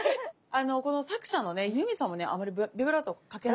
この作者のねユーミンさんもねあまりビブラートかけられないんです。